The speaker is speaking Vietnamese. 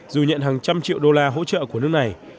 dù nhận hàng trăm triệu đô la hỗ trợ của nước này